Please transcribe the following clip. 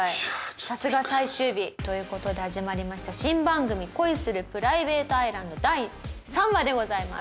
さすが最終日。という事で始まりました新番組『恋するプライベートアイランド』第３話でございます。